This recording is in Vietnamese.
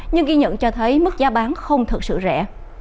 nhưng ghi nhận cho thấy mức giá bán không thật sự rẻ